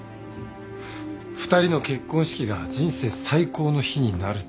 ２人の結婚式が人生最高の日になるって。